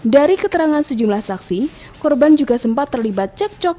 dari keterangan sejumlah saksi korban juga sempat terlibat cekcok